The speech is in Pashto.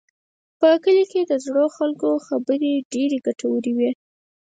په کلي کې د زړو خلکو خبرې ډېرې ګټورې وي.